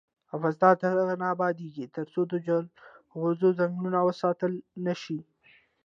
افغانستان تر هغو نه ابادیږي، ترڅو د جلغوزو ځنګلونه وساتل نشي.